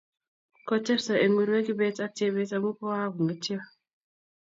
Kotepsoo eng urwee Kibet ak Chebet amu kokangetyo